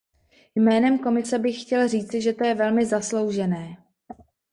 Jménem Komise bych chtěl říci, že to je velmi zasloužené.